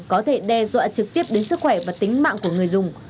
có thể đe dọa trực tiếp đến sự phạt hành chính trong lĩnh vực y tế